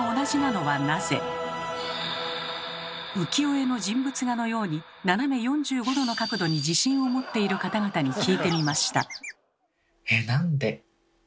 浮世絵の人物画のように斜め４５度の角度に自信を持っている方々に聞いてみました。